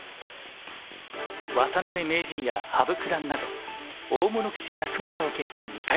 渡辺名人や羽生九段など大物棋士が姿を消した２回戦。